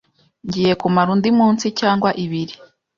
Ngiye kumara undi munsi cyangwa ibiri.